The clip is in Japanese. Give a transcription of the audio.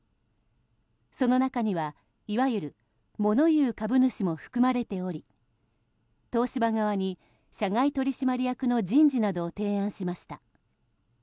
その中にはいわゆる物言う株主も含まれており東芝側に社外取締役の人事などを提案しました。